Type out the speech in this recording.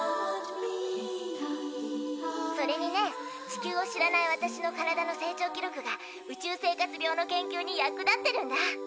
それにね地球を知らない私の体の成長記録が宇宙生活病の研究に役立ってるんだ。